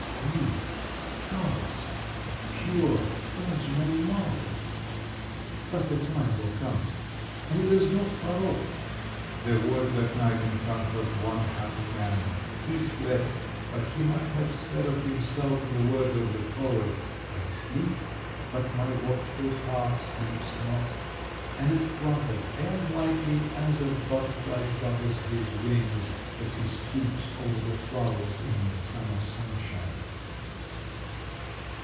Queen … goddess … pure, virginal marble…." "But the time will come; and it is not far off…." There was that night in Frankfort one happy man…. He slept; but he might have said of himself in the words of the poet: "I sleep … but my watchful heart sleeps not." And it fluttered as lightly as a butterfly flutters his wings, as he stoops over the flowers in the summer sunshine.